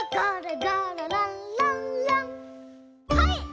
はい！